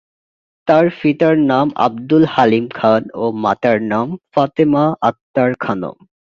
তার পিতার নাম আব্দুল হালিম খান ও মাতার নাম ফাতেমা আক্তার খানম।